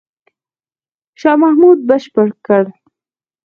شاه محمود بشپړ کړ.